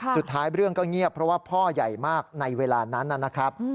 สุดท้ายเรื่องก็เงียบเพราะว่าพ่อใหญ่มากในเวลานั้นนะครับ